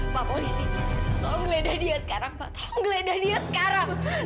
pak polisi tolong geledah dia sekarang pak tolong geledah dia sekarang